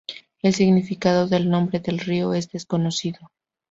El significado del nombre del río es desconocido.